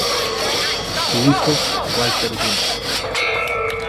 Su hijo 'Walter Jr.